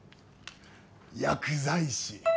薬剤師。